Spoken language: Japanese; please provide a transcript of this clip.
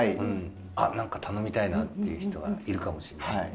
あっなんか頼みたいなっていう人がいるかもしんないんで。